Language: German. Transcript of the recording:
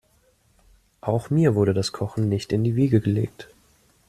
Auch mir wurde das Kochen nicht in die Wiege gelegt.